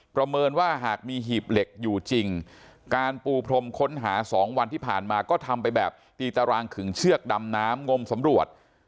ประเมินว่าหากมีหีบเหล็กอยู่จริงการปูพรมค้นหา๒วันที่ผ่านมาก็ทำไปแบบตีตารางขึงเชือกดำน้ำงมสำรวจ